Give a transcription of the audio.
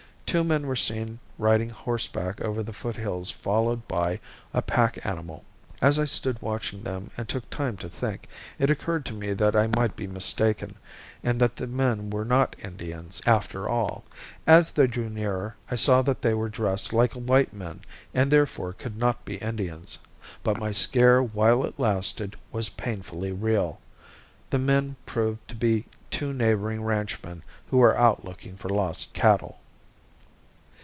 Two men were seen riding horseback over the foot hills followed by a pack animal. As I stood watching them and took time to think, it occurred to me that I might be mistaken, and that the men were not Indians after all. As they drew nearer I saw that they were dressed like white men and, therefore, could not be Indians; but my scare while it lasted was painfully real. The men proved to be two neighboring ranchmen who were out looking for lost cattle.